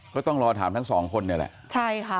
ก็ต้องรอถามทั้งสองคนเนี่ยแหละใช่ค่ะ